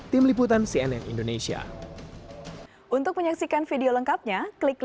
tim liputan cnn indonesia